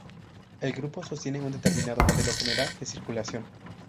El grupo sostiene un determinado modelo general de circulación.